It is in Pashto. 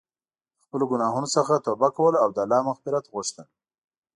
د خپلو ګناهونو څخه توبه کول او د الله مغفرت غوښتل.